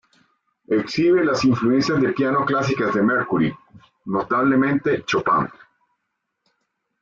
Exhibe las influencias de piano clásicas de Mercury, notablemente Chopin.